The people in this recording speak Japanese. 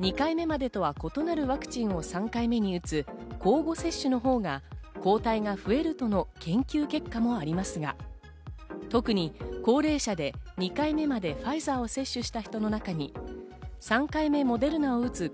２回目までとは異なるワクチンを３回目に打つ、交互接種のほうが抗体が増えるとの研究結果もありますが、特に高齢者で２回目までファイザーを接種した人の中に３回目モデルナを打つ